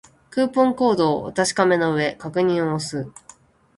クーポンコードをお確かめの上、確認を押す